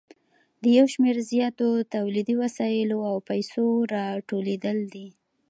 د یو شمېر زیاتو تولیدي وسایلو او پیسو راټولېدل دي